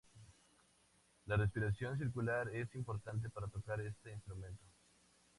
La respiración circular es importante para tocar este instrumento.